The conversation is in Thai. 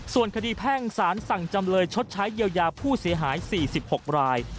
ส่วนคดีแพ่งสารสั่งจำเลยชดใช้เยียวยาผู้เสียหาย๔๖ราย